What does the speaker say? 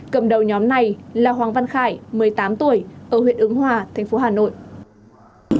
cầm đầu nhóm này là hoàng văn khải một mươi tám tuổi ở huyện ứng hòa thành phố hà nội